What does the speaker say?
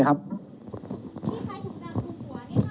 ครับก็เดี๋ยวเชิญพี่น้องสมุทรจะสอบถามไหม